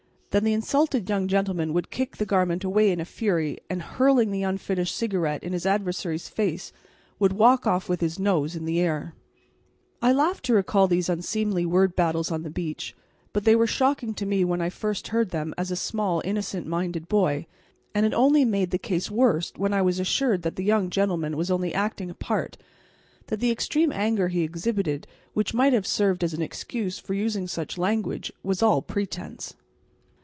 Then the insulted young gentleman would kick the garment away in a fury and hurling the unfinished cigarette in his adversary's face would walk off with his nose in the air. I laugh to recall these unseemly word battles on the beach, but they were shocking to me when I first heard them as a small, innocent minded boy, and it only made the case worse when I was assured that the young gentleman was only acting a part, that the extreme anger he exhibited, which might have served as an excuse for using such language, was all pretence.